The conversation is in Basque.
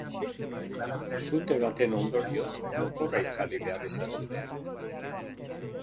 Sute baten ondorioz motorra itzali behar izan zuten.